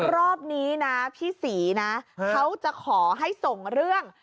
รอบนี้นะพี่ศรีนะเขาจะขอให้ส่งเรื่อง